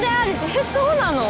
えっそうなの？